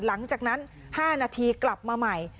หลังจากนั้น๕นาทีกลับมาใหม่